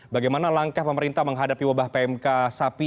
bagaimana langkah pemerintah menghadapi wabah pmk sapi